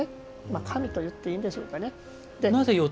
神といっていいんでしょうかね。